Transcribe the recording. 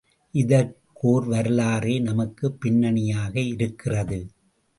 இதற்கு ஓர் வரலாறே நமக்குப் பின்னணியாக இருக்கிறது.